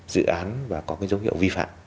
dự án và có dấu hiệu vi phạm